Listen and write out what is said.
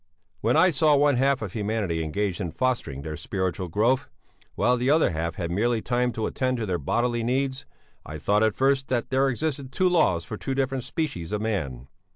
"'When I saw one half of humanity engaged in fostering their spiritual growth, while the other half had merely time to attend to their bodily needs, I thought at first that there existed two laws for two different species of man.